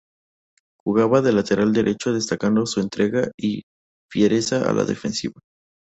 Jugaba de lateral derecho destacando su entrega y fiereza en la defensiva.